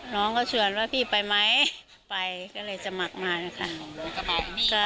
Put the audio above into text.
น้องก็ชวนว่าพี่ไปไหมไปก็เลยสมัครมานะคะ